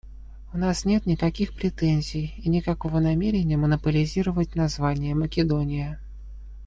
У нас нет никаких претензий и никакого намерения монополизировать название Македония.